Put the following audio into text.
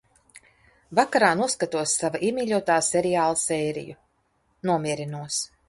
Vakarā noskatos sava iemīļotā seriāla sēriju. Nomierinos.